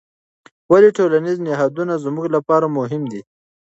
ولې ټولنیز نهادونه زموږ لپاره مهم دي؟